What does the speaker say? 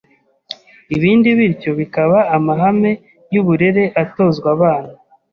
ibindi, bityo bikaba amahame y’uburere atozwa abana